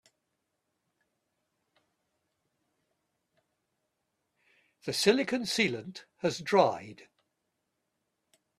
The silicon sealant has dried.